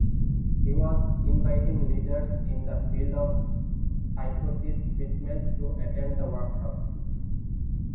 He was inviting leaders in the field of psychosis treatment to attend the workshops.